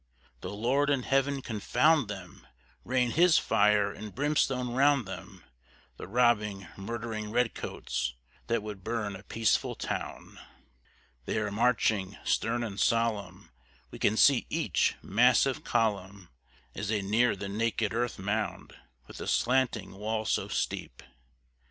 The Lord in heaven confound them, rain his fire and brimstone round them, The robbing, murdering redcoats, that would burn a peaceful town! They are marching, stern and solemn; we can see each massive column As they near the naked earth mound with the slanting walls so steep.